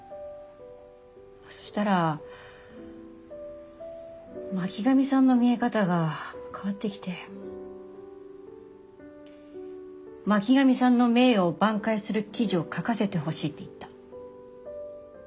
そしたら巻上さんの見え方が変わってきて巻上さんの名誉を挽回する記事を書かせてほしいって言った。